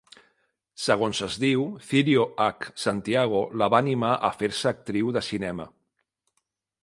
Segons es diu, Cirio H. Santiago la va animar a fer-se actriu de cinema.